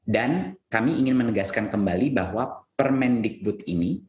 dan kami ingin menegaskan kembali bahwa permen dikbud ini